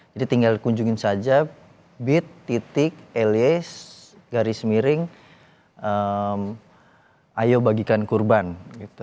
jadi tinggal kunjungin saja bit ly garis miring ayo bagikan kurban gitu